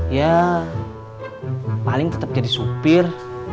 ya paling tetap jadi supir